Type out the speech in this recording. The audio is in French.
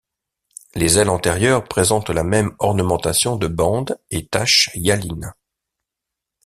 Les ailes antérieures présentent la même ornementation de bande et taches hyalines.